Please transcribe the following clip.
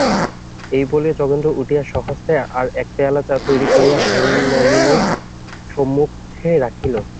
এই বলিয়া যোগেন্দ্র উঠিয়া স্বহস্তে আর-এক পেয়ালা চা তৈরি করিয়া হেমনলিনীর সম্মুখে রাখিল।